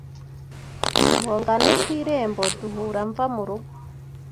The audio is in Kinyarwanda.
Ngo ngane ku irembo Duhura mva mu rugo